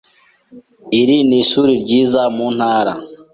Iri ni ishuri ryiza mu ntara.